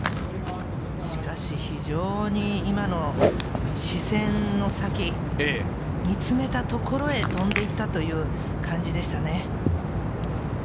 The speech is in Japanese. しかし非常に、今の視線の先、見つめたところへ飛んでいったという感じでしたね。